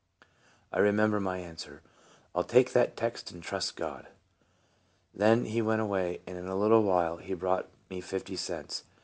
'" I remember my answer :" I '11 take that text and trust God." Then he went away, and in a little while he brought me fifty cents.